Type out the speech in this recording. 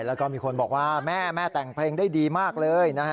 แล้วก็มีคนบอกว่าแม่แม่แต่งเพลงได้ดีมากเลยนะฮะ